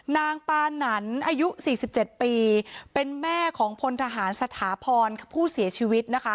นางปานันอายุ๔๗ปีเป็นแม่ของพลทหารสถาพรผู้เสียชีวิตนะคะ